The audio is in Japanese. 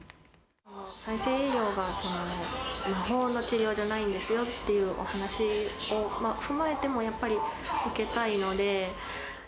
再生医療は魔法の治療じゃないんですよっていうお話を踏まえても、やっぱり受けたいので。